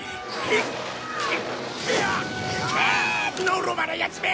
のろまなヤツめ！